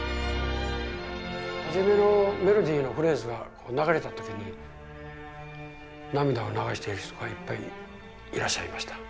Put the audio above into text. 初めのメロディーのフレーズが流れた時に涙を流している人がいっぱいいらっしゃいました。